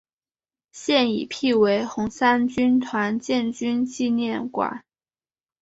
现已辟为红三军团建军纪念馆。